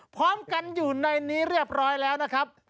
พร้อมกันอยู่ในนี้เรียบร้อยแล้วนะครับ